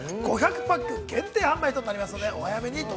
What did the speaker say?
５００パック限定販売となりますので、お早めに。